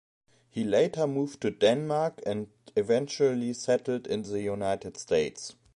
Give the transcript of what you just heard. He later moved to Denmark and eventually settled in the United States.